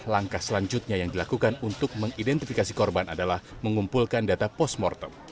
langkah selanjutnya yang dilakukan untuk mengidentifikasi korban adalah mengumpulkan data post mortem